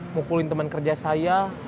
mukulin teman kerja saya